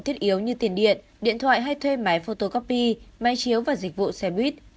thiết yếu như tiền điện điện thoại hay thuê máy photocopy máy chiếu và dịch vụ xe buýt